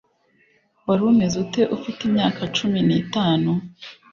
Wari umeze ute ufite imyaka cumi nitanu